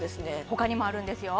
他にもあるんですよ